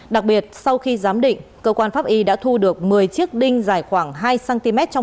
đặc biệt sau khi giám định cơ quan pháp y đã thu được một mươi chiếc đinh dài khoảng hai cm trong